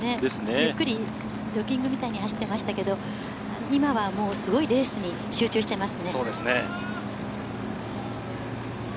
ゆっくりジョギングみたいに走ってましたが、今はすごいレースに集中しています。